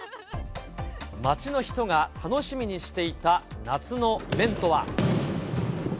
街の人が楽しみにしていた夏のイベントは。